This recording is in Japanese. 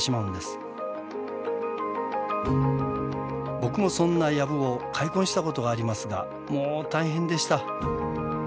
僕もそんなやぶを開墾したことがありますがもう大変でした。